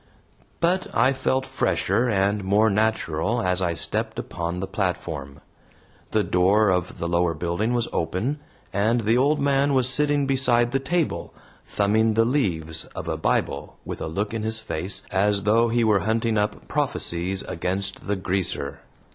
But I felt fresher and more natural as I stepped upon the platform. The door of the lower building was open, and the old man was sitting beside the table, thumbing the leaves of a Bible with a look in his face as though he were hunting up prophecies against the "Greaser."